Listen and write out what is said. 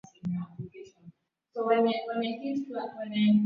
Rais Mteule amepokea kwa furaha taarifa